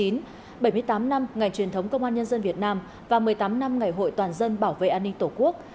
bảy mươi tám năm ngày truyền thống công an nhân dân việt nam và một mươi tám năm ngày hội toàn dân bảo vệ an ninh tổ quốc